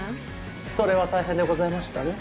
それは大変でございましたね。